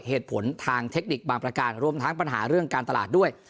เหตุผลทางเทคนิคบางประการรวมทั้งปัญหาเรื่องการตลาดด้วย